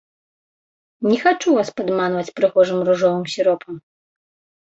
Не хачу вас падманваць прыгожым ружовым сіропам.